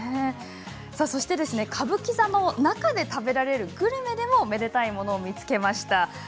歌舞伎座の中で食べられるグルメでもめでたいものを見つけました。